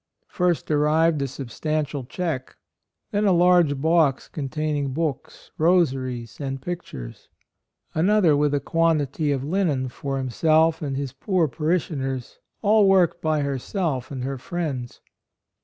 First arrived a substantial cheque, then a large box containing books, AND MOTHER. 93 rosaries and pictures; another with a quantity of linen for himself and his poor parish ioners, all worked by herself and her friends.